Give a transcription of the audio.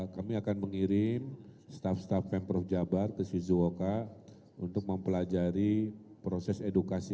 kami akan mengirim staff staf pemprov jabar ke swizuoka untuk mempelajari proses edukasi